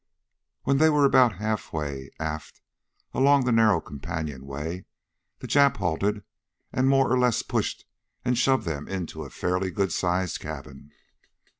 When they were about half way aft along the narrow companionway, the Jap halted them and more or less pushed and shoved them into a fairly good sized cabin.